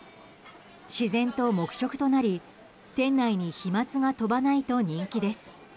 自然と黙食となり店内に飛沫が飛ばないと人気です。